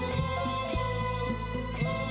engkau luar biasa